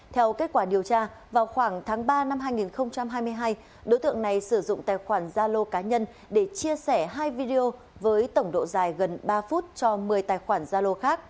theo kết quả điều tra vào khoảng tháng ba năm hai nghìn hai mươi hai đối tượng này sử dụng tài khoản gia lô cá nhân để chia sẻ hai video với tổng độ dài gần ba phút cho một mươi tài khoản gia lô khác